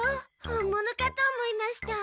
本物かと思いました。